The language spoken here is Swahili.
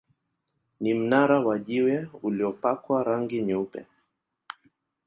Ni mnara wa jiwe uliopakwa rangi nyeupe.